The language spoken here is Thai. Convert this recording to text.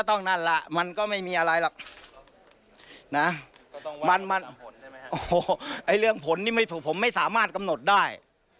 โอ้โหเรื่องผลนี้ผมไม่สามารถกำหนดได้